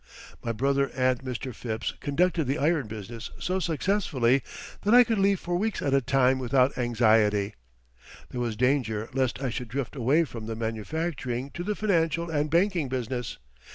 My brother and Mr. Phipps conducted the iron business so successfully that I could leave for weeks at a time without anxiety. There was danger lest I should drift away from the manufacturing to the financial and banking business.